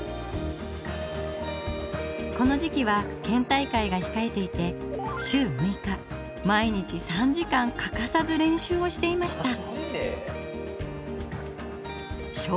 この時期は県大会がひかえていて週６日毎日３時間欠かさず練習をしていました。